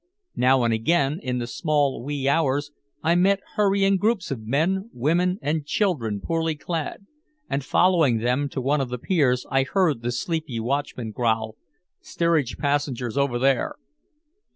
Now and again in the small wee hours I met hurrying groups of men, women and children poorly clad, and following them to one of the piers I heard the sleepy watchman growl, "Steerage passengers over there."